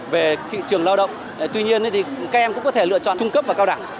về thị trường lao động tuy nhiên thì các em cũng có thể lựa chọn trung cấp và cao đẳng